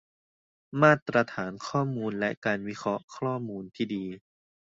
มาตรฐานข้อมูล และ การวิเคราะห์ข้อมูลที่ดี